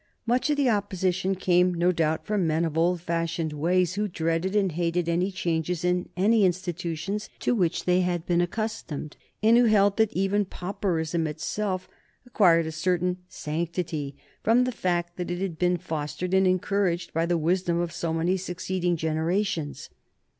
Much of the opposition came, no doubt, from men of old fashioned ways, who dreaded and hated any changes in any institutions to which they had been accustomed, and who held that even pauperism itself acquired a certain sanctity from the fact that it had been fostered and encouraged by the wisdom of so many succeeding generations.